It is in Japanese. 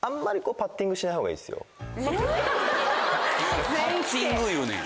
パッティングいうねや？